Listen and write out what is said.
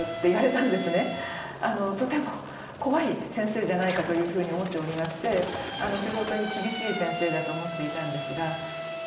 とても怖い先生じゃないかというふうに思っておりまして仕事に厳しい先生だと思っていたんですが。